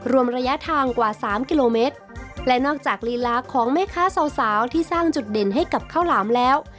รวมระยะทางกว่าสามกิโลเมตรและนอกจากลีลาของแม่ค้าสาวสาวที่สร้างจุดเด่นให้กับข้าวหลามแล้ว